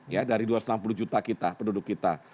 ya dari dua ratus enam puluh juta kita penduduk kita